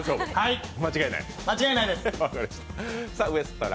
間違いないです。